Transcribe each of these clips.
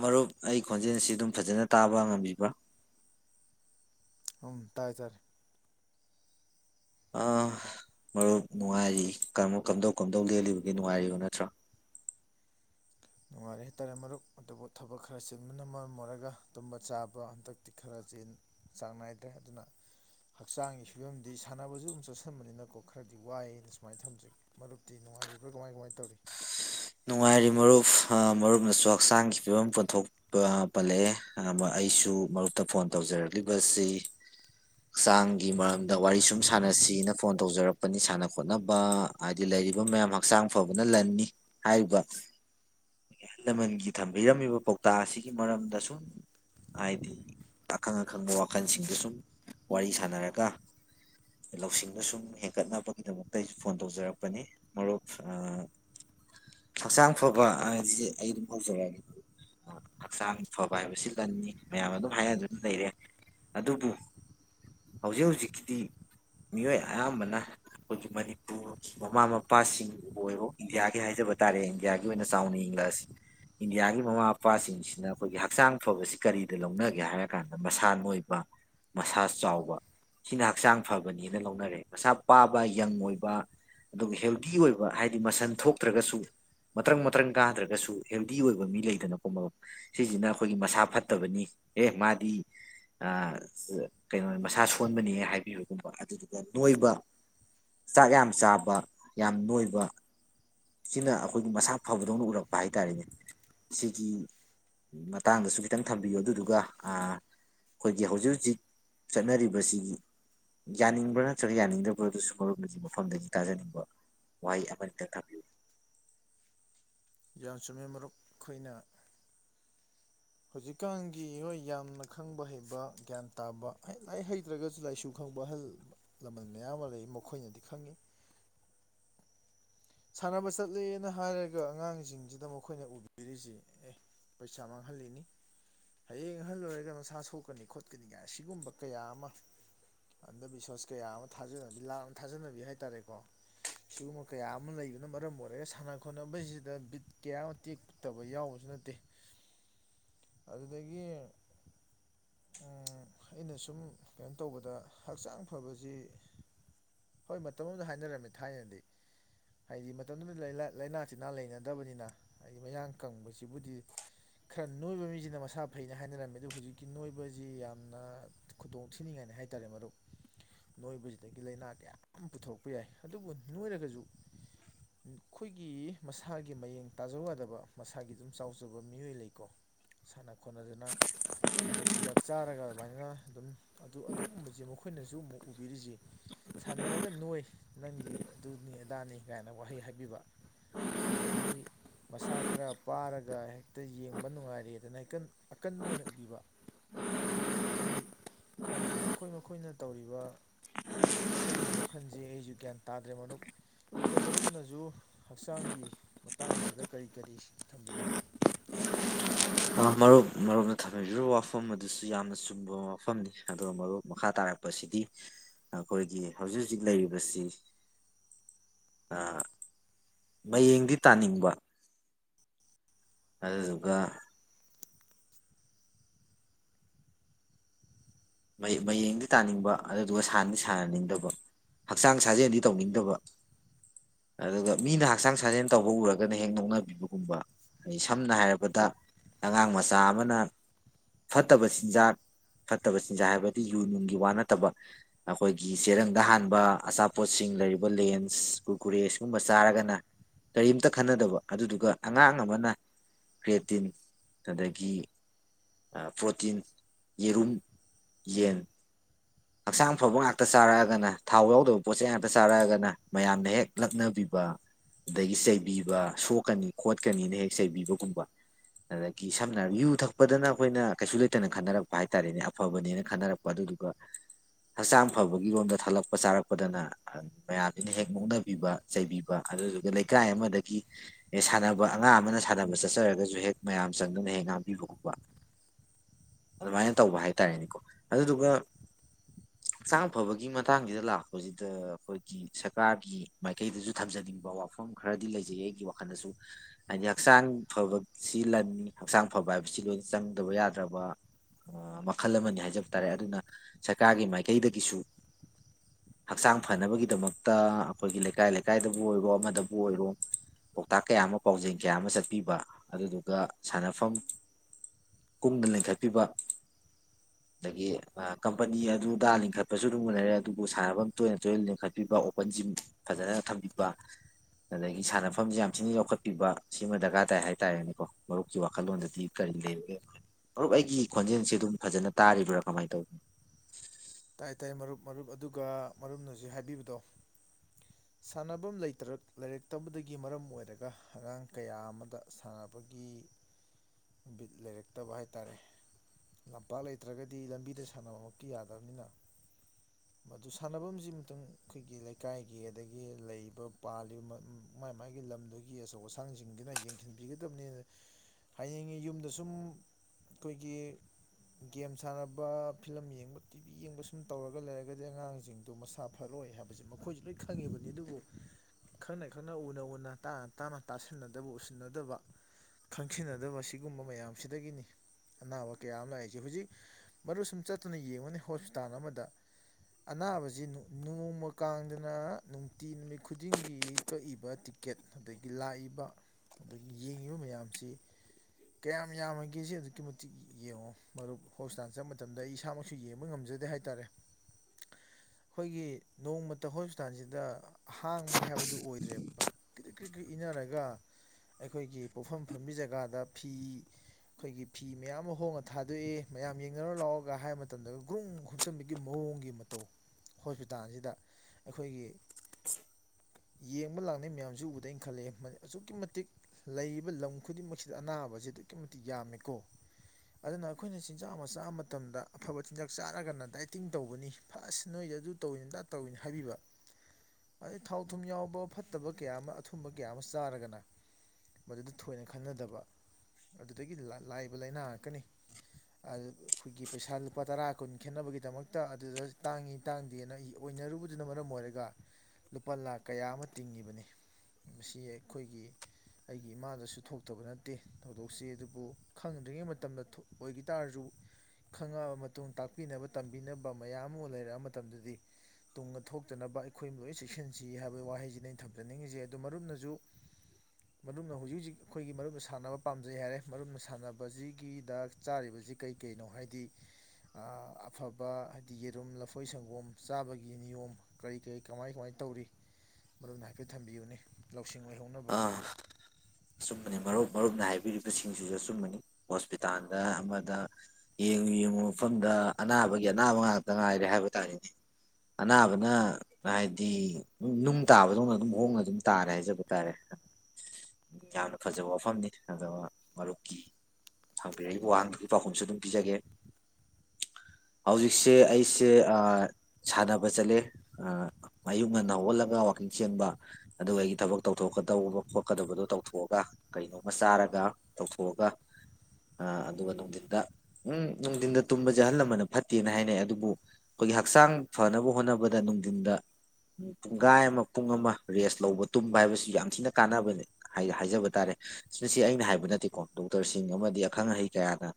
ꯃꯔꯨꯞ ꯑꯩ ꯈꯣꯟꯖꯦꯜꯁꯤ ꯑꯗꯨꯝ ꯐꯖꯅ ꯇꯥꯕ ꯉꯝꯕꯤꯕ꯭ꯔꯥ ꯎꯝ ꯇꯥꯏꯦ ꯇꯥꯔꯦ ꯑꯥ ꯃꯔꯨꯞ ꯅꯨꯡꯉꯥꯏꯔꯤ ꯀꯝꯗꯧ ꯀꯝꯗꯧ ꯂꯦꯜꯂꯤꯕꯒꯤ ꯅꯨꯡꯉꯥꯏꯔꯤꯕ ꯅꯠꯇ꯭ꯔꯣ ꯅꯨꯡꯉꯥꯏꯔꯦ ꯍꯥꯏꯇꯥꯔꯦ ꯃꯔꯨꯞ ꯑꯗꯨꯕꯨ ꯊꯕꯛ ꯈꯔ ꯆꯤꯟꯕꯅ ꯃꯔꯝ ꯑꯣꯏꯔꯒ ꯇꯨꯝꯕ ꯆꯥꯕ ꯍꯟꯗꯛꯇꯤ ꯈꯔ ꯆꯦꯟ ꯆꯥꯡ ꯅꯥꯏꯗ꯭ꯔꯦ ꯑꯗꯨꯅ ꯍꯛꯆꯥꯡꯒꯤ ꯐꯤꯕꯝꯗꯤ ꯁꯥꯟꯅꯕꯁꯨ ꯑꯗꯨꯝ ꯆꯠꯁꯟꯕꯅꯤꯅꯀꯣ ꯈꯔꯗꯤ ꯋꯥꯏꯑꯅ ꯁꯨꯃꯥꯏꯅ ꯊꯝꯖꯒꯦ ꯃꯔꯨꯞꯇꯤ ꯅꯨꯡꯉꯥꯏꯔꯤꯕ꯭ꯔꯥ ꯀꯃꯥꯏ ꯀꯃꯥꯏꯅ ꯇꯧꯔꯤ ꯅꯨꯡꯉꯥꯏꯔꯤ ꯃꯔꯨꯞ ꯃꯔꯨꯞꯅꯁꯨ ꯍꯛꯆꯥꯡꯒꯤ ꯐꯤꯕꯝ ꯄꯨꯊꯣꯛ ꯄꯜꯂꯛꯑꯦ ꯑꯩꯁꯨ ꯃꯔꯨꯞꯇ ꯐꯣꯟ ꯇꯧꯖꯔꯛꯂꯤꯕꯁꯤ ꯍꯛꯆꯥꯡꯒꯤ ꯃꯔꯝꯗ ꯋꯥꯔꯤ ꯁꯨꯝ ꯁꯥꯟꯅꯁꯤꯅ ꯐꯣꯟ ꯇꯧꯖꯔꯛꯄ ꯄꯅꯤ ꯁꯥꯟꯅ ꯈꯣꯠꯅꯕ ꯍꯥꯏꯗꯤ ꯂꯩꯔꯤꯕ ꯃꯌꯥꯝ ꯍꯛꯆꯥꯡ ꯐꯕꯅ ꯂꯟꯅꯤ ꯍꯥꯏꯔꯤꯕ ꯑꯍꯜ ꯂꯃꯟꯒꯤ ꯊꯝꯕꯤꯔꯝꯃꯤꯕ ꯄꯧꯇꯥꯛ ꯑꯁꯤꯒꯤ ꯃꯔꯝꯗ ꯁꯨꯝ ꯍꯥꯏꯗꯤ ꯑꯈꯪ ꯑꯈꯪꯕ ꯋꯥꯈꯜꯁꯤꯡꯗ ꯁꯨꯝ ꯋꯥꯔꯤ ꯁꯥꯟꯅꯔꯒ ꯂꯧꯁꯤꯡꯗ ꯁꯨꯝ ꯍꯦꯟꯒꯠꯅꯕꯒꯤꯗꯃꯛꯇ ꯑꯩꯁꯨ ꯐꯣꯟ ꯇꯧꯖꯔꯛꯄꯅꯤ ꯃꯔꯨꯞ ꯍꯛꯆꯥꯡ ꯐꯕ ꯍꯥꯏꯗꯤꯁꯦ ꯑꯩ ꯑꯗꯨꯝ ꯍꯧꯖꯔꯛꯑꯅꯤ ꯍꯛꯆꯥꯡ ꯐꯕ ꯍꯥꯏꯕꯁꯤ ꯂꯟꯅꯤ ꯃꯌꯥꯝ ꯑꯗꯨꯝ ꯍꯥꯏꯅꯗꯨꯅ ꯂꯩꯔꯦ ꯑꯗꯨꯕꯨ ꯍꯧꯖꯤꯛ ꯍꯧꯖꯤꯛꯀꯤꯗꯤ ꯃꯤꯑꯣꯏ ꯑꯌꯥꯝꯕꯅ ꯑꯩꯈꯣꯏꯒꯤ ꯃꯅꯤꯄꯨꯔꯒꯤ ꯃꯃꯥ ꯃꯄꯥꯁꯤꯡꯕꯨ ꯑꯣꯏꯔꯣ ꯏꯟꯗꯤꯌꯥꯒꯤ ꯑꯩ ꯍꯥꯏꯖꯕ ꯇꯥꯔꯦ ꯏꯟꯗꯤꯌꯥꯒꯤ ꯑꯣꯏꯅ ꯆꯥꯎꯅ ꯏꯛꯑꯁꯤ ꯏꯟꯗꯤꯌꯥꯒꯤ ꯃꯃꯥ ꯃꯄꯥꯁꯤꯡꯁꯤꯅ ꯑꯩꯈꯣꯏꯒꯤ ꯍꯛꯆꯥꯡ ꯐꯕꯁꯤ ꯀꯔꯤꯗ ꯂꯧꯅꯒꯦ ꯍꯥꯏꯔ ꯀꯥꯟꯗ ꯃꯁꯥ ꯅꯣꯏꯕ ꯃꯁꯥ ꯆꯥꯎꯕ ꯁꯤꯅ ꯍꯛꯆꯥꯡ ꯐꯕꯅꯦꯅ ꯂꯧꯅꯔꯦ ꯃꯁꯥ ꯄꯥꯕ ꯌꯪ ꯑꯣꯏꯕ ꯑꯗꯨꯒ ꯍꯦꯜꯗꯤ ꯑꯣꯏꯕ ꯍꯥꯏꯗꯤ ꯃꯁꯟ ꯊꯣꯛ ꯐꯠꯇ꯭ꯔꯒꯁꯨ ꯃꯇ꯭ꯔꯪ ꯃ꯭ꯔꯪ ꯀꯥꯗ꯭ꯔꯒꯁꯨ ꯍꯦꯜꯗꯤ ꯑꯣꯏꯕ ꯃꯤ ꯂꯩꯗꯅꯀꯣ ꯃ ꯁꯤꯁꯤꯅ ꯑꯩꯈꯣꯏꯒꯤ ꯃꯁꯥ ꯐꯠꯇꯕꯅꯤ ꯑꯦ ꯃꯥꯗꯤ ꯀꯩꯅꯣꯅꯤ ꯃꯁꯥ ꯁꯣꯟꯕꯅꯦ ꯍꯥꯏꯕꯤꯕꯒꯨꯝꯕ ꯑꯗꯨꯗꯨꯒ ꯅꯣꯏꯕ ꯆꯥꯛ ꯌꯥꯝ ꯆꯥꯕ ꯌꯥꯝ ꯅꯣꯏꯕ ꯁꯤꯅ ꯑꯩꯈꯣꯏꯒꯤ ꯃꯁꯥ ꯐꯕꯗꯧꯅ ꯎꯔꯛꯄ ꯍꯥꯏ ꯇꯥꯔꯦꯅꯦ ꯁꯤꯒꯤ ꯃꯇꯥꯡꯗꯁꯨ ꯈꯤꯇꯪ ꯊꯝꯕꯤꯌꯨ ꯑꯗꯨꯗꯨꯒ ꯑꯩꯈꯣꯏꯒꯤ ꯍꯧꯖꯤꯛ ꯍꯧꯖꯤꯛ ꯆꯠꯅꯔꯤꯕꯁꯤꯒꯤ ꯌꯥꯅꯤꯡꯕ꯭ꯔꯥ ꯅꯠꯇ꯭ꯔꯒ ꯌꯥꯅꯤꯡꯗꯕ꯭ꯔ ꯑꯗꯨꯁꯨ ꯃꯔꯣꯏꯒꯤ ꯃꯐꯝꯗꯒꯤ ꯇꯥꯖꯅꯤꯡꯕ ꯋꯥꯍꯩ ꯑꯃ ꯈꯤꯇꯪ ꯊꯝꯕꯤꯌꯨ ꯌꯥꯝ ꯆꯨꯝꯃꯦ ꯃꯔꯨꯞ ꯑꯩꯈꯣꯏꯅ ꯍꯧꯖꯤꯛꯀꯥꯟꯒꯤ ꯍꯣꯏ ꯌꯥꯝꯅ ꯈꯪꯕ ꯍꯩꯕ ꯒ꯭ꯌꯥꯟ ꯇꯥꯕ ꯍ ꯂꯥꯏꯔꯤꯛ ꯍꯩꯇ꯭ꯔꯒꯁꯨ ꯂꯥꯏꯁꯨ ꯈꯪꯕ ꯑꯍꯜ ꯂꯃꯟ ꯃꯌꯥꯝ ꯑꯃ ꯂꯩ ꯃꯈꯣꯏꯅꯗꯤ ꯈꯪꯉꯤ ꯁꯥꯟꯅꯕ ꯆꯠꯂꯦꯅ ꯍꯥꯏꯔꯒ ꯑꯉꯥꯡꯁꯤꯡꯁꯤꯗ ꯃꯈꯣꯏꯅ ꯎꯕꯤꯔꯤꯁꯤ ꯑꯦ ꯄꯩꯁꯥ ꯃꯥꯡꯍꯜꯂꯤꯅꯤ ꯍꯌꯦꯡꯍꯜꯂꯣꯏꯔꯒ ꯃꯁꯥ ꯁꯣꯛꯀꯅꯤ ꯈꯣꯠꯀꯅꯤ ꯀ ꯁꯤꯒꯨꯝꯕ ꯀꯌꯥ ꯑꯃ ꯑꯟꯗꯕꯤꯁ꯭ꯋꯥꯁ ꯀꯌꯥ ꯑꯃ ꯊꯥꯖꯅꯕꯤ ꯂꯥꯞꯅ ꯊꯥꯖꯅꯕꯤ ꯍꯥꯏ ꯇꯔꯦꯀꯣ ꯁꯤꯒꯨꯝꯕ ꯀꯌꯥ ꯑꯃ ꯑꯃ ꯂꯩꯕꯅ ꯃꯔꯝ ꯑꯣꯏꯔꯒ ꯁꯥꯟꯅ ꯈꯣꯠꯅꯕꯩꯁꯤꯗ ꯕꯤꯠ ꯀꯌꯥ ꯑꯃ ꯇꯦꯛꯇꯕ ꯌꯥꯎꯕꯁꯨ ꯅꯠꯇꯦ ꯑꯗꯨꯗꯒꯤ ꯑꯩꯅ ꯁꯨꯝ ꯀꯩꯅꯣ ꯇꯧꯕꯗ ꯍꯛꯆꯥꯡ ꯐꯕꯁꯤ ꯍꯣꯏ ꯃꯇꯝ ꯑꯃꯗ ꯍꯥꯏꯅꯔꯝꯃꯦ ꯊꯥꯏꯅꯗꯤ ꯍꯥꯏꯗꯤ ꯃꯇꯝꯗꯨꯗ ꯂꯥꯏꯅꯥ ꯇꯤꯟꯅꯥ ꯂꯩꯅꯗꯕꯅꯤꯅ ꯍꯥꯏꯗꯤ ꯃꯌꯥꯡ ꯀꯪꯕꯁꯤꯕꯨꯗꯤ ꯈꯔ ꯅꯣꯏꯕ ꯃꯤꯁꯤꯅ ꯃꯁꯥ ꯐꯩꯩꯅ ꯍꯥꯏꯅꯔꯝꯃꯤ ꯑꯗꯨ ꯍꯧꯖꯤꯛꯀꯤ ꯅꯣꯏꯕꯁꯤ ꯌꯥꯝꯅ ꯈꯨꯗꯣꯡ ꯊꯤꯅꯤꯡꯉꯥꯏꯅꯤ ꯍꯥꯏ ꯇꯔꯦ ꯃꯔꯨꯞ ꯅꯣꯏꯕꯁꯤꯗꯒꯤ ꯂꯥꯏꯅꯥ ꯀꯌꯥꯝ ꯄꯨꯊꯣꯔꯛꯄ ꯌꯥꯏ ꯑꯗꯨꯕꯨ ꯅꯣꯏꯔꯒꯁꯨ ꯑꯩꯈꯣꯏꯒꯤ ꯃꯁꯥꯒꯤ ꯃꯌꯦꯡ ꯇꯥꯖꯧ ꯌꯥꯗꯕ ꯃꯁꯥꯒꯤ ꯑꯗꯨꯝ ꯆꯥꯎꯖꯕ ꯃꯤꯑꯣꯏ ꯂꯩꯀꯣꯅ ꯍꯣꯠꯅꯗꯅ ꯑꯐꯕ ꯆꯤꯟꯖꯥꯛ ꯆꯥꯔꯒ ꯑꯗꯨꯃꯥꯏꯅ ꯑꯗꯨꯝ ꯑꯗꯨ ꯑꯗꯨꯒꯨꯝꯕꯁꯦ ꯃꯈꯣꯏꯅꯁꯨ ꯑꯃꯨꯛ ꯎꯕꯤꯔꯤꯁꯤ ꯁꯥꯟꯅꯔꯒ ꯅꯣꯏ ꯅꯪꯗꯤ ꯑꯗꯨꯅꯤ ꯑꯗꯥꯅꯤ ꯒꯥꯏꯅ ꯋꯥꯍꯩ ꯍꯥꯏꯕꯤꯕ ꯑꯗꯒꯤ ꯃꯁꯥ ꯈꯔ ꯄꯥꯔꯒ ꯍꯦꯛꯇ ꯌꯦꯡꯕ ꯅꯨꯡꯉꯥꯏꯔꯦꯗꯅ ꯑꯀꯟꯕ ꯑꯣꯏꯅ ꯎꯕꯤꯕ ꯑꯗꯒꯤ ꯈꯪꯗꯦ ꯃꯈꯣꯏ ꯃꯈꯣꯏꯅ ꯇꯧꯔꯤꯕ ꯈꯜꯂꯤꯕ ꯋꯥꯈꯟꯁꯦ ꯑꯩꯁꯨ ꯒ꯭ꯌꯥꯟ ꯇꯥꯗ꯭ꯔꯦ ꯃꯔꯨꯞ ꯑꯗꯣ ꯃꯔꯨꯞꯅꯁꯨ ꯍꯛꯆꯥꯡꯒꯤ ꯃꯇꯥꯡꯁꯤꯗ ꯀꯔꯤ ꯀꯔꯤ ꯊꯝꯕꯤꯅꯤꯡꯉꯤ ꯃꯔꯨꯞ ꯃꯔꯨꯞꯅ ꯊꯝꯕꯤꯖꯔꯤꯕ ꯋꯥꯐꯝ ꯑꯗꯨꯁꯨ ꯌꯥꯝꯅ ꯆꯨꯝꯕ ꯋꯥꯐꯝꯅꯤ ꯑꯗꯨꯒ ꯃꯔꯨꯞ ꯃꯈꯥ ꯇꯥꯔꯛꯄꯁꯤꯗꯤ ꯑꯩꯈꯣꯏꯒꯤ ꯍꯧꯖꯤꯛ ꯍꯧꯖꯤꯛ ꯂꯩꯔꯤꯕꯁꯤ ꯃꯌꯦꯡꯗꯤ ꯇꯥꯅꯤꯡꯕ ꯑꯗꯨꯒ ꯃꯌꯦꯡꯗꯤ ꯇꯥꯅꯤꯡꯕ ꯑꯗꯨꯗꯨꯒ ꯁꯥꯟꯅꯗꯤ ꯁꯥꯟꯅꯅꯤꯡꯗꯕ ꯍꯛꯆꯥꯡ ꯁꯥꯖꯦꯜꯗꯤ ꯇꯧꯅꯤꯡꯗꯕ ꯑꯗꯨꯒ ꯃꯤꯅ ꯍꯛꯆꯥꯡ ꯁꯥꯖꯦꯜ ꯇꯧꯕ ꯎꯔꯒꯅ ꯍꯦꯛ ꯅꯣꯛꯅꯕꯤꯕꯒꯨꯝꯕ ꯍꯥꯏ ꯁꯝꯅ ꯍꯥꯏꯔꯕꯗ ꯑꯉꯥꯡ ꯃꯆꯥ ꯑꯃꯅ ꯐꯠꯇꯕ ꯆꯤꯟꯖꯥꯛ ꯐꯠꯇꯕ ꯆꯤꯟꯖꯥ ꯍꯥꯏꯕꯗꯤ ꯌꯨ ꯅꯨꯡꯒꯤ ꯋꯥ ꯅꯠꯇꯕ ꯑꯩꯈꯣꯏꯒꯤ ꯆꯦꯔꯪꯗ ꯍꯥꯟꯕ ꯑꯆꯥꯄꯣꯠꯁꯤꯡ ꯂꯩꯔꯤꯕ ꯂꯦꯟꯁ ꯀꯨꯀꯨꯔꯦꯁꯀꯨꯝꯕ ꯆꯥꯔꯒꯅ ꯀꯔꯤꯝꯇ ꯈꯟꯅꯗꯕ ꯑꯗꯨꯗꯨꯒ ꯑꯉꯥꯡ ꯑꯃꯅ ꯀ꯭ꯔꯦꯇꯤꯟ ꯑꯗꯒꯤ ꯄ꯭ꯔꯣꯇꯤꯟ ꯌꯦꯔꯨꯝ ꯌꯦꯟ ꯍꯛꯆꯥꯡ ꯐꯕ ꯉꯥꯛꯇ ꯆꯥꯔꯛꯑꯒꯅ ꯊꯥꯎ ꯌꯥꯎꯗꯕ ꯄꯣꯠ ꯆꯩ ꯉꯥꯛꯇ ꯆꯥꯔꯛꯑꯒꯅ ꯃꯌꯥꯝꯅ ꯍꯦꯛ ꯂꯛꯅꯕꯤꯕ ꯑꯗꯒꯤ ꯆꯩꯕꯤꯕ ꯁꯣꯛꯀꯅꯤ ꯈꯣꯠꯀꯅꯤꯅ ꯍꯦꯛ ꯆꯩꯕꯤꯕꯒꯨꯝꯕ ꯑꯗꯒꯤ ꯁꯝꯅ ꯍꯥꯏꯔꯕ ꯌꯨ ꯊꯛꯄꯗꯅ ꯑꯩꯈꯣꯏꯅ ꯀꯩꯁꯨ ꯂꯩꯇꯅ ꯈꯟꯅꯔꯛꯄ ꯍꯥꯏ ꯇꯥꯔꯦꯅꯦ ꯑꯐꯕꯅꯦꯅ ꯈꯟꯅꯔꯛꯄ ꯑꯗꯨꯗꯨꯒ ꯍꯛꯆꯥꯡ ꯐꯕꯒꯤ ꯂꯣꯝꯗ ꯊꯜꯂꯛꯄ ꯆꯥꯔꯛꯄꯗꯅ ꯃꯌꯥꯝꯁꯤꯅ ꯍꯦꯛ ꯃꯨꯛꯅꯕꯤꯕ ꯆꯩꯕꯤꯕ ꯑꯗꯨꯗꯨꯒ ꯂꯩꯀꯥꯏ ꯑꯃꯗꯒꯤ ꯁꯥꯟꯅꯕ ꯑꯉꯥꯡ ꯑꯃꯅ ꯁꯥꯟꯅꯕ ꯆꯠꯆꯔꯒꯁꯨ ꯍꯦꯛ ꯃꯌꯥꯝ ꯆꯪꯗꯨꯅ ꯍꯦꯛ ꯉꯥꯡꯕꯤꯕ ꯈꯣꯠꯄ ꯑꯗꯨꯃꯥꯏꯅ ꯇꯧꯕ ꯍꯥꯏꯇꯥꯥꯔꯦꯅꯦꯀꯣ ꯑꯗꯨꯗꯨꯒ ꯍꯛꯆꯥꯡ ꯐꯕꯒꯤ ꯃꯇꯥꯡꯁꯤꯗ ꯂꯥꯛꯄꯁꯤꯗ ꯑꯩꯈꯣꯏꯒꯤ ꯁꯔꯀꯥꯔꯒꯤ ꯃꯥꯏꯀꯩꯗꯁꯨ ꯊꯝꯖꯅꯤꯡꯕ ꯋꯥꯐꯝ ꯈꯔꯗꯤ ꯂꯩꯖꯩꯌꯦ ꯑꯩꯒꯤ ꯋꯥꯈꯜꯗꯁꯨ ꯍꯥꯏꯗꯤ ꯍꯛꯆꯥꯡ ꯐ ꯁꯤ ꯂꯟꯅꯤ ꯍꯛꯆꯥꯡ ꯐꯕ ꯍꯥꯏꯕꯁꯤ ꯂꯣꯏꯅ ꯆꯪꯗꯕ ꯌꯥꯗ꯭ꯔꯕ ꯃꯈꯜ ꯑꯃꯅꯤ ꯍꯥꯏꯖꯕ ꯇꯥꯔꯦ ꯑꯗꯨꯅ ꯁꯔꯀꯥꯔꯒꯤ ꯃꯥꯏꯀꯩꯗꯒꯤꯁꯨ ꯍꯛꯆꯥꯡ ꯐꯅꯕꯒꯤꯗꯃꯛꯇ ꯑꯩꯈꯣꯏꯒꯤ ꯂꯩꯀꯥꯏ ꯂꯩꯀꯥꯏꯗꯕꯨ ꯑꯣꯏꯔꯣ ꯑꯃꯗꯕꯨ ꯑꯣꯏꯔꯣ ꯄꯥꯎꯇꯥꯛ ꯀꯌꯥ ꯑꯃ ꯄꯥꯎꯖꯦꯜ ꯀꯌꯥ ꯑꯃ ꯆꯠꯄꯤꯕ ꯑꯗꯨꯗꯨꯒ ꯁꯥꯟꯅꯐꯝ ꯀꯨꯡꯗ ꯂꯤꯡꯈꯠꯄꯤꯕ ꯑꯗꯒꯤ ꯀꯝꯄꯅꯤ ꯑꯗꯨꯗ ꯂꯤꯡꯈꯠꯄꯁꯨ ꯑꯗꯨꯝ ꯎꯅꯔꯦ ꯑꯗꯨꯕꯨ ꯁꯥꯟꯅꯐꯝ ꯇꯣꯏꯅ ꯇꯣꯏꯅ ꯂꯤꯡꯈꯠꯄꯤꯕ ꯑꯣꯄꯟ ꯖꯤꯝ ꯐꯖꯅ ꯊꯝꯕꯤꯕ ꯑꯗꯒꯤ ꯁꯥꯟꯅꯐꯝꯁꯦ ꯌꯥꯝ ꯊꯤꯅ ꯌꯥꯎꯈꯠꯄꯤꯕ ꯁꯤꯃ ꯗꯔꯀꯥꯔ ꯇꯥꯏ ꯍꯥꯏꯇꯥꯔꯦꯅꯦꯀꯣ ꯃꯔꯨꯞꯀꯤ ꯋꯥꯈꯜꯂꯣꯟꯗꯗꯤ ꯀꯔꯤ ꯂꯩꯔꯤꯒꯦ ꯃꯔꯨꯞ ꯑꯩꯒꯤ ꯈꯣꯟꯖꯦꯜꯁꯦ ꯑꯗꯨꯝ ꯐꯖꯅ ꯇꯥꯔꯤꯕ꯭ꯔꯥ ꯀꯃꯥꯏꯅ ꯇꯧ ꯇꯥꯏ ꯇꯥꯏ ꯃꯔꯨꯞ ꯃꯔꯨꯞ ꯑꯗꯨꯒ ꯃꯔꯨꯞꯅ ꯍꯧꯖꯤꯛ ꯍꯥꯏꯕꯤꯕꯗꯣ ꯁꯥꯟꯅꯐꯝ ꯂꯩꯇ ꯂꯩꯔꯛꯇꯕꯗꯒꯤ ꯃꯔꯝ ꯑꯣꯏꯔꯒ ꯑꯉꯥꯡ ꯀꯌꯥ ꯑꯃꯗ ꯁꯥꯟꯅꯕꯒꯤ ꯅꯨ ꯃꯤꯠ ꯂꯩꯔꯛꯇꯕ ꯍꯥꯏꯇꯥꯔꯦ ꯂꯝꯄꯥꯛ ꯂꯩꯇ꯭ꯔꯒꯗꯤ ꯂꯝꯕꯤꯗ ꯁꯥꯟꯅꯕꯃꯛꯇꯤ ꯌꯥꯗꯕꯅꯤꯅ ꯃꯗꯨ ꯁꯥꯟꯐꯝꯁꯤꯃꯇꯪ ꯑꯩꯈꯣꯏꯒꯤ ꯂꯩꯀꯥꯏꯒꯤ ꯑꯗꯒꯤ ꯂꯩꯔꯤꯕꯕ ꯄꯥꯜꯂꯤꯕ ꯃꯥꯏ ꯃꯥꯥꯏꯒꯤ ꯂꯝꯗꯨꯒꯤ ꯑꯆꯧ ꯑꯁꯥꯡꯁꯤꯡꯗꯨꯅ ꯌꯦꯡꯁꯤꯟꯕꯤꯒꯗꯕꯅꯤꯅ ꯍꯥꯏꯅꯤꯡꯉꯤ ꯌꯨꯝꯗ ꯁꯨꯝ ꯑꯩꯈꯣꯏꯒꯤ ꯒꯦꯝ ꯁꯥꯟꯅꯕ ꯐꯤꯂꯝ ꯌꯦꯡꯕ ꯇꯤꯚꯤ ꯌꯦꯡꯕ ꯁꯨꯝ ꯇꯧꯔꯒ ꯂꯩꯔꯒꯗꯤ ꯑꯉꯥꯡꯁꯤꯡꯗꯨꯣ ꯃꯁꯥ ꯐꯔꯣꯏ ꯍꯥꯏꯕꯕꯁꯤꯦ ꯃꯈꯣꯏꯁꯨ ꯂꯣꯏ ꯈꯪꯉꯤꯕꯅꯤ ꯑꯗꯨꯕꯨ ꯈꯪꯅ ꯈꯪꯅ ꯎꯅ ꯎꯅ ꯇꯥꯅ ꯇꯥꯅ ꯇꯁꯤꯟꯅꯗꯕ ꯎꯁꯤꯟꯅꯗꯕ ꯈꯪꯁꯤꯟꯅꯗꯕ ꯁꯤꯒꯨꯝꯕ ꯃꯌꯥꯝꯁꯤꯗꯒꯤꯅꯤ ꯑꯅꯥꯕ ꯀꯌꯥ ꯑꯃ ꯂꯥꯛꯏꯁꯦ ꯍꯧꯖꯤꯛ ꯃꯔꯨ ꯁꯨꯝ ꯆꯠꯇꯨꯅ ꯌꯦꯡꯉꯅꯤ ꯍꯣꯁꯄꯤꯇꯥꯜ ꯑꯃꯗ ꯑꯅꯥꯕꯁꯤ ꯅꯣꯡꯃ ꯀꯥꯡꯗꯅ ꯅꯨꯡꯇꯤ ꯅꯨꯃꯤꯠ ꯈꯨꯗꯤꯡꯒꯤ ꯀꯛꯏꯕ ꯇꯤꯛꯀꯦꯠ ꯑꯗꯒꯤ ꯂꯥꯛꯏꯕ ꯑꯗꯒꯤ ꯌꯦꯡꯉꯤꯕ ꯃꯌꯥꯝꯁꯤ ꯀꯌꯥꯝ ꯌꯥꯝꯃꯒꯦꯁꯤ ꯑꯗꯨꯛꯀꯤ ꯃꯇꯤꯛ ꯌꯦꯡꯉꯣ ꯃꯔꯨꯞ ꯍꯣꯁꯄꯤꯇꯥꯜ ꯆꯠꯄ ꯃꯇꯝꯗ ꯑꯩ ꯏꯁꯥꯃꯛꯁꯨ ꯌꯦꯡꯉ ꯇ ꯉꯝꯖꯗꯦ ꯍꯥꯏꯇꯥꯔꯦ ꯑꯩꯈꯣꯏꯒꯤ ꯅꯣꯡꯃꯇ ꯍꯣꯁꯄꯤꯇꯥꯜꯁꯤꯗ ꯑꯍꯥꯡꯕ ꯍꯥꯏꯕꯗꯨ ꯑꯣꯏꯗ꯭ꯔꯦꯕ ꯀ꯭ꯔꯤꯛ ꯀ꯭ꯔꯤꯛ ꯀ꯭ꯔꯤꯛ ꯏꯅꯔꯒ ꯑꯩꯈꯣꯏꯒꯤ ꯄꯣꯛꯐꯝ ꯐꯝꯕꯤ ꯖꯒꯥꯗ ꯐꯤ ꯑꯩꯈꯣꯏꯒꯤ ꯐꯤ ꯃꯌꯥꯝ ꯑꯃ ꯍꯣꯡꯅ ꯊꯥꯗꯣꯛꯑꯦ ꯃꯌꯥꯝ ꯌꯦꯡꯅꯔ ꯂꯥꯎꯔꯒ ꯍꯥꯏꯕ ꯃꯇꯝꯗ ꯒ꯭ꯔꯨꯝ ꯈꯨꯞꯆꯟꯕꯒꯤ ꯃꯑꯣꯡꯒꯤ ꯃꯇꯧ ꯍꯣꯁꯄꯤꯇꯥꯜꯁꯤꯗ ꯑꯩꯈꯣꯏꯒꯤ ꯌꯦꯡꯕ ꯂꯥꯛꯅꯩ ꯃꯌꯥꯝꯁꯤ ꯎꯕꯗ ꯑꯩꯅ ꯈꯜꯂꯦ ꯑꯁꯨꯛꯀꯤ ꯃꯇꯤꯛ ꯂꯩꯔꯤꯕ ꯂꯝ ꯈꯨꯗꯤꯡꯃꯛꯁꯤꯗ ꯑꯅꯥꯕꯁꯤꯦ ꯑꯗꯨꯛꯀꯤ ꯃꯇꯤꯛ ꯌꯥꯝꯃꯦꯀꯣ ꯑꯗꯨꯅ ꯑꯩꯈꯣꯏꯅ ꯆꯤꯟꯖꯥꯛ ꯃꯆꯥ ꯃꯇꯝꯗ ꯑꯐꯕ ꯆꯤꯟꯖꯥꯛ ꯆꯥꯔꯒꯅ ꯗꯥꯏꯇꯤꯡ ꯇꯧꯕꯅꯤ ꯐꯁ ꯅꯣꯏꯗ ꯑꯗꯨ ꯇꯧꯋꯅꯤ ꯑꯝꯗꯥ ꯇꯧꯏꯤꯅꯤ ꯍꯥꯏꯕꯤꯕ ꯑꯗꯩ ꯊꯥꯎ ꯊꯨꯝ ꯌꯥꯎꯕ ꯐꯠꯇꯕ ꯀꯌꯥ ꯑꯃ ꯑꯊꯨꯝꯕ ꯀꯌꯥ ꯑꯃ ꯆꯥꯔꯒꯅ ꯃꯗꯨꯗ ꯊꯣꯏꯅ ꯈꯟꯅꯗꯕ ꯑꯗꯨꯗꯒꯤ ꯂꯥꯏꯕ ꯂꯥꯏꯅꯥ ꯉꯥꯛꯀꯅꯤ ꯑꯩꯈꯣꯏꯒꯤ ꯄꯩꯁꯥ ꯂꯨꯄꯥ ꯇꯔꯥ ꯀꯨꯟ ꯈꯦꯠꯅꯕꯒꯤꯗꯃꯛꯇ ꯑꯗꯨꯗ ꯇꯥꯡꯏꯤ ꯇꯥꯡꯗꯦꯅ ꯑꯩ ꯑꯣꯏꯅꯔꯨꯕꯗꯨꯅ ꯃꯔꯝ ꯑꯣꯏꯔꯒ ꯂꯨꯄꯥ ꯂꯥꯛ ꯀꯌꯥ ꯑꯃ ꯇꯤꯡꯉꯤꯕꯅꯤ ꯃꯁꯤ ꯑꯩꯈꯣꯏꯒꯤ ꯑꯩꯒꯤ ꯏꯃꯥꯗꯁꯨ ꯊꯣꯛꯇꯕ ꯅꯠꯇꯦ ꯊꯧꯗꯣꯛꯁꯤ ꯑꯗꯨꯕꯨ ꯈꯪꯗ꯭ꯔꯤꯉꯩ ꯃꯇꯝꯗ ꯑꯣꯏꯈꯤ ꯇꯥꯔꯁꯨ ꯈꯪꯉꯛꯑꯕ ꯇꯨꯡ ꯇꯥꯛꯄꯤꯅꯕ ꯇꯝꯕꯤꯅꯕ ꯃꯌꯥꯝ ꯑꯃ ꯂꯩꯔꯛꯑ ꯃꯇꯝꯗꯗꯤ ꯇꯨꯡꯗ ꯊꯣꯛꯇꯅꯕ ꯑꯩꯈꯣꯏ ꯂꯣꯏ ꯆꯦꯛꯁꯤꯟꯁꯤ ꯍꯥꯏꯕ ꯋꯥꯍꯩꯁꯤꯅ ꯑꯩꯅ ꯊꯝꯖꯅꯤꯡꯉꯤꯁꯦ ꯑꯗꯨꯗꯣ ꯃꯔꯨꯞꯅꯁꯨ ꯃꯔꯨꯞꯅ ꯍꯧꯖꯤꯛ ꯍꯧꯖꯤꯛ ꯑꯩꯈꯣꯏꯒꯤ ꯃꯔꯨꯞꯅ ꯁꯥꯟꯅꯕ ꯄꯥꯝꯖꯩ ꯍꯥꯏꯔꯦ ꯃꯔꯨꯞꯅ ꯁꯥꯟꯅꯕꯁꯤꯒꯤꯗ ꯆꯥꯔꯤꯕꯁꯤ ꯀꯩ ꯀꯩꯅꯣ ꯍꯥꯏꯗꯤ ꯑꯐꯕ ꯍꯥꯏꯗꯤ ꯌꯦꯔꯨꯝ ꯂꯐꯣꯏ ꯁꯪꯒꯣꯝ ꯆꯥꯕꯒꯤ ꯅꯤꯌꯣꯝ ꯀꯔꯤ ꯀꯔꯤ ꯀꯃꯥꯏ ꯀꯃꯥꯏ ꯇꯧꯔꯤ ꯃꯔꯣꯝꯅ ꯍꯥꯏꯐꯦꯠ ꯊꯝꯕꯤꯌꯨꯅꯤ ꯑꯥ ꯑꯆꯨꯝꯕꯅꯦ ꯃꯔꯨꯞ ꯃꯔꯨꯞꯅ ꯍꯥꯏꯕ ꯇꯕꯤꯔꯤꯕꯁꯤꯡꯁꯤꯁꯨ ꯑꯆꯨꯝꯕꯅꯤ ꯍꯣꯁꯄꯤꯇꯥꯜꯗ ꯑꯃꯗ ꯌꯦꯡꯉꯨ ꯌꯦꯡꯉꯨ ꯃꯐꯝꯗ ꯑꯅꯥꯕꯒꯤ ꯑꯅꯥꯕ ꯉꯥꯛꯇ ꯉꯥꯏꯔꯦ ꯍꯥꯏꯕ ꯇꯥꯔꯦꯅꯦ ꯑꯅꯥꯕꯅ ꯍꯥꯏꯗꯤ ꯅꯨꯡ ꯇꯥꯕꯗꯧꯅ ꯑꯗꯨꯝ ꯍꯣꯡꯅ ꯑꯗꯨꯝ ꯇꯥꯔꯦ ꯍꯥꯏꯖꯕꯅꯤ ꯍꯥꯏꯇꯥꯔꯦ ꯌꯥꯝꯅ ꯐꯖꯕ ꯋꯥꯐꯝꯅꯤ ꯑꯗꯨꯒ ꯃꯔꯨꯞꯀꯤ ꯍꯥꯡꯕꯤꯔꯛꯏꯕ ꯋꯥꯍꯪꯗꯨꯒꯤ ꯄꯥꯎꯈꯨꯝꯁꯨ ꯑꯗꯨꯝ ꯄꯤꯖꯒꯦ ꯍꯧꯖꯤꯛꯁꯦ ꯑꯩꯁꯦ ꯁꯥꯟꯅꯕ ꯆꯠꯂꯦ ꯃꯌꯨꯛ ꯉꯟꯅ ꯍꯧꯒꯜꯂꯒ ꯋꯥꯋꯥꯛꯀꯤꯡ ꯆꯦꯟꯕ ꯑꯗꯨꯒ ꯑꯩꯒꯤ ꯊꯕꯛ ꯇꯧꯊꯣꯛꯀꯗꯧꯕ ꯈꯣꯠꯀꯗꯕꯗꯣ ꯇꯧꯊꯣꯛꯑꯒ ꯀꯩꯅꯣꯝꯃ ꯆꯥꯔꯒ ꯇꯧꯊꯣꯛꯑꯒ ꯑꯗꯨꯒ ꯅꯨꯡꯊꯤꯟꯗ ꯎꯝ ꯅꯨꯡꯊꯤꯟꯗ ꯇꯨꯝꯕꯁꯦ ꯑꯍꯜ ꯂꯃꯟꯅ ꯐꯠꯇꯦꯅ ꯍꯥꯏꯅꯩ ꯑꯗꯨꯕꯨ ꯑꯩꯈꯣꯏꯒꯤ ꯍꯛꯆꯥꯡ ꯐꯅꯕ ꯍꯣꯠꯅꯕꯗ ꯅꯨꯡꯊꯤꯟꯗ ꯄꯨꯡꯈꯥꯏ ꯑꯃ ꯄꯨꯡ ꯑꯃ ꯔꯦꯁ ꯂꯧꯕ ꯍꯥꯏꯕꯁꯤ ꯌꯥꯝ ꯊꯤꯅ ꯀꯥꯟꯅꯕꯅꯦ ꯍꯥꯏ ꯍꯥꯏꯖꯕ ꯇꯥꯔꯦ ꯃꯁꯤ ꯑꯩꯅ ꯍꯥꯏꯕ ꯅꯠꯇꯦꯀꯣ ꯗꯣꯛꯇꯔꯁꯤꯡ ꯑꯃꯗꯤ ꯑꯈꯪ ꯑꯍꯩ ꯀꯌꯥꯅ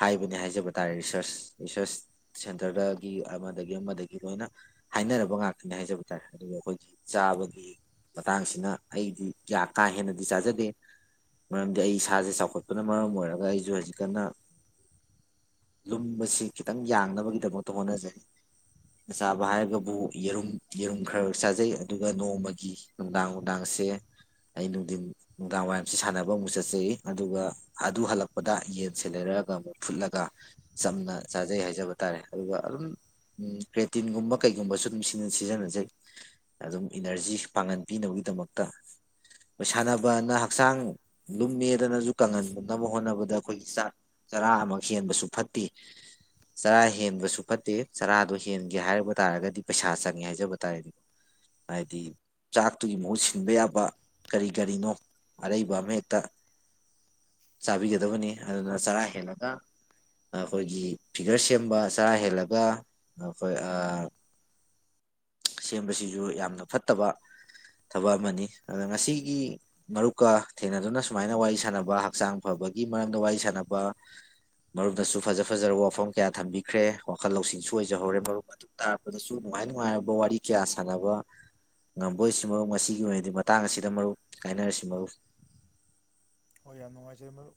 ꯍꯥꯏꯕꯅꯦ ꯍꯥꯏꯖꯕ ꯇꯥꯔꯦ ꯔꯤꯁꯔꯁ ꯔꯤꯁꯔꯁ ꯁꯦꯟꯇꯔꯗꯒꯤ ꯑꯃꯗꯒꯤ ꯑꯃꯗꯒꯤ ꯂꯣꯏꯅ ꯍꯥꯏꯅꯔꯕ ꯉꯥꯛꯇꯅꯤ ꯍꯥꯏꯖꯕ ꯇꯥꯔꯦ ꯑꯗꯨꯒ ꯑꯩꯈꯣꯏꯒꯤ ꯆꯥꯕꯒꯤ ꯃꯇꯥꯡꯁꯤꯅ ꯑꯩꯗꯤ ꯀꯌꯥ ꯀꯥ ꯍꯦꯟꯅꯗꯤ ꯆꯥꯖꯗꯦ ꯃꯔꯝꯗꯤ ꯑꯩ ꯏꯁꯥꯁꯦ ꯆꯥꯎꯈꯠꯄꯅ ꯃꯔꯝ ꯑꯣꯏꯔꯒ ꯑꯩꯁꯨ ꯍꯧꯖꯤꯛꯀꯟꯅ ꯂꯨꯝꯕꯁꯤ ꯈꯤꯇꯪ ꯌꯥꯡꯅꯕꯒꯤꯗꯃꯛꯇ ꯍꯣꯠꯅꯖꯩ ꯑ ꯆꯥꯕ ꯍꯥꯏꯔꯒꯕꯨ ꯌꯦꯔꯨꯝ ꯌꯦꯔꯨꯝ ꯈꯔ ꯆꯥꯖꯩ ꯑꯗꯨꯒ ꯅꯣꯡꯃꯒꯤ ꯅꯨꯡꯗꯥꯡ ꯅꯨꯡꯗꯥꯡꯁꯦ ꯑꯩ ꯅꯨꯡꯊꯤꯟ ꯅꯨꯡꯗꯥꯡ ꯋꯥꯏꯔꯝꯁꯦ ꯁꯥꯟꯅꯕ ꯑꯃꯨꯛ ꯆꯠꯆꯩ ꯑꯗꯨꯒ ꯑꯗꯨ ꯍꯜꯂꯛꯄꯗ ꯌꯦꯟꯁꯦ ꯂꯩꯔꯛꯑꯒ ꯑꯃꯨꯛ ꯐꯨꯠꯂꯒ ꯆꯝꯅ ꯆꯥꯖꯩ ꯍꯥꯏꯖꯕ ꯇꯥꯔꯦ ꯑꯗꯨꯒ ꯑꯗꯨꯝ ꯄ꯭ꯔꯦꯇꯤꯟꯒꯨꯝꯕ ꯀꯩꯒꯨꯝꯕꯁꯨ ꯑꯗꯨꯝ ꯁꯤꯖꯤꯟꯅꯖꯩ ꯑꯗꯨꯝ ꯏꯅꯔꯖꯤ ꯄꯥꯡꯒꯟ ꯄꯅꯕꯒꯤꯗꯃꯛꯇ ꯑꯩꯣꯏ ꯁꯥꯟꯅꯕꯅ ꯍꯛꯆꯥꯡ ꯂꯨꯝꯃꯦꯗꯅꯁꯨ ꯀꯪꯍꯟꯅꯕ ꯍꯣꯠꯅꯕꯗ ꯑꯩꯈꯣꯏꯒꯤ ꯆꯥꯛ ꯆꯔꯥ ꯑꯃꯛ ꯍꯦꯟꯕꯁꯨ ꯐꯠꯇꯦ ꯆꯔꯥ ꯍꯦꯟꯕꯁꯨ ꯐꯠꯇꯦ ꯆꯔꯥꯗꯣ ꯍꯦꯟꯒꯦ ꯍꯥꯏꯕ ꯇꯥꯔꯒꯗꯤ ꯄꯩꯁꯥ ꯆꯪꯉꯦ ꯍꯥꯏꯖꯕ ꯇꯥꯔꯗꯤꯀꯣ ꯍꯥꯏꯗꯤ ꯆꯥꯛꯇꯨꯒꯤ ꯃꯍꯨꯠ ꯁꯤꯟꯕ ꯌꯥꯕ ꯀꯔꯤ ꯀꯔꯤꯅꯣ ꯑꯔꯩꯕ ꯑꯃꯍꯦꯛꯇ ꯆꯥꯕꯤꯒꯗꯕꯅꯤ ꯑꯗꯨꯅ ꯆꯔꯥ ꯍꯦꯜꯂꯒ ꯑꯩꯈꯣꯏꯒꯤ ꯐꯤꯒꯔ ꯁꯦꯝꯕ ꯆꯔꯥ ꯍꯦꯜꯂꯒ ꯑꯩꯈꯣꯏ ꯁꯦꯝꯕꯁꯤꯁꯨ ꯌꯥꯝꯅ ꯐꯠꯇꯕ ꯊꯕꯛ ꯑꯃꯅꯤ ꯑꯗ ꯉꯁꯤꯒꯤ ꯃꯔꯨꯞꯀ ꯊꯦꯡꯅꯗꯨꯅ ꯁꯨꯃꯥꯏꯅ ꯋꯥꯔꯤ ꯁꯅꯕ ꯍꯛꯆꯥꯡ ꯐꯕꯒꯤ ꯃꯔꯝꯗ ꯋꯥꯔꯤ ꯁꯅꯕ ꯃꯔꯨꯝꯗꯁꯨ ꯐꯖ ꯐꯖꯔꯕ ꯋꯥꯐꯝ ꯀꯌꯥ ꯊꯝꯕꯤꯈ꯭ꯔꯦ ꯋꯥꯈꯜ ꯂꯧꯁꯤꯡꯁꯨ ꯑꯣꯏꯖꯍꯧꯔꯦ ꯃꯔꯨꯞ ꯑꯗꯨ ꯇꯥꯔꯛꯄꯗꯁꯨ ꯅꯨꯡꯉꯥꯏ ꯅꯨꯡꯉꯥꯏꯔꯕ ꯋꯥꯔꯤ ꯀꯌꯥ ꯁꯥꯟꯅꯕ ꯉꯝꯕ ꯑꯣꯏꯁꯤ ꯃꯔꯨꯞ ꯉꯁꯤꯒꯤ ꯑꯣꯏꯅꯗꯤ ꯃꯇꯥꯡ ꯑꯁꯤꯗ ꯃꯔꯨꯞ ꯀꯥꯏꯅꯔꯁꯤ ꯃꯔꯨ ꯍꯣꯏ ꯌꯥꯝ ꯅꯨꯡꯉꯥꯏꯖꯔ ꯃꯔ